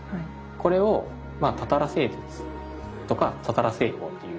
これをまあたたら製鉄とかたたら製法という。